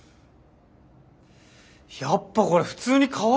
やっぱこれ普通にかわいいっすよね。